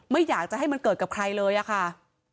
ไม่อยากจะให้มันเกิดกับใครเลยอะค่ะ